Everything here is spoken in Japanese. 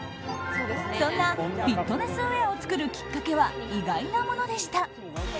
そんなフィットネスウェアを作るきっかけは意外なものでした。